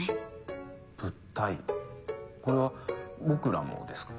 これは僕らもですか？